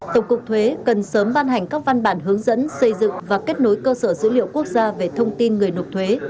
tổng cục thuế cần sớm ban hành các văn bản hướng dẫn xây dựng và kết nối cơ sở dữ liệu quốc gia về thông tin người nộp thuế